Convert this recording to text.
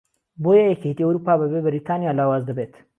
بۆیە یەکێتی ئەوروپا بەبێ بەریتانیا لاواز دەبێت